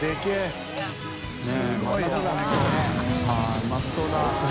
うまそうだ。